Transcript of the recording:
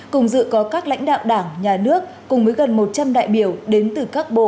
cùng dự có các lãnh đạo đảng nhà nước cùng với gần một trăm linh đại biểu đến từ các bộ